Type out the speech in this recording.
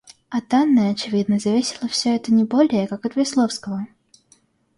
От Анны, очевидно, зависело всё это не более, как от Весловского.